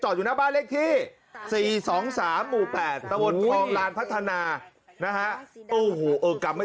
จอดอยู่หน้าบ้านเลขที่๔๒๓หมู่๘ประวัติภองราณพัฒนานะฮะ